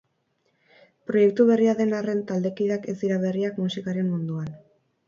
Proiektu berria den arren, taldekideak ez dira berriak musikaren munduan.